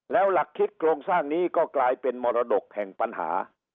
แล้วหลักคิดโครงสร้างนี้ก็กลายเป็นมรดกแห่งปัญหา